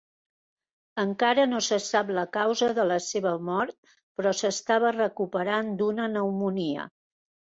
Encara no se sap la causa de la seva mort, però s'estava recuperant d'una pneumònia.